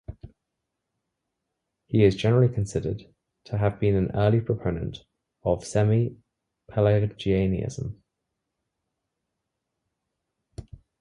He is generally considered to have been an early proponent of semi-Pelagianism.